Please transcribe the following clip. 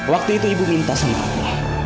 waktu itu ibu minta sama aku